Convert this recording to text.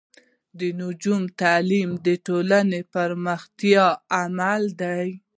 د نجونو تعلیم د ټولنې پراختیا لامل دی.